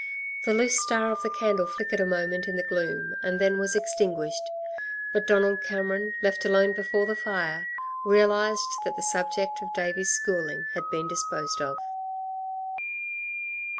The loose star of the candle flickered a moment in the gloom and then was extinguished. But Donald Cameron, left alone before the fire, realised that the subject of Davey's schooling had been disposed of.